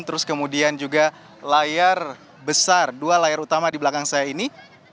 terus kemudian juga layar besar dua layar utama di belakang saya ini